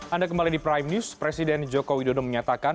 anda kembali di prime news presiden joko widodo menyatakan